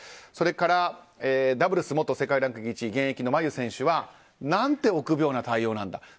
それからダブルス元世界ランク１位現役のマユ選手は何て臆病な対応なんだ